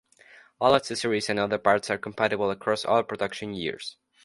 All accessories and other parts are compatible across all production years.